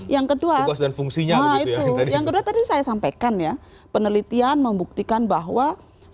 yang kedua yang kedua tadi saya sampaikan ya penelitian membuktikan bahwa fleksibilitas perang